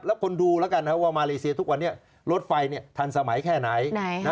แล้วคนดูแล้วกันว่ามาเลเซียทุกวันนี้รถไฟทันสมัยแค่ไหน